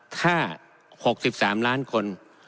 ถ้า๖๓ล้านคน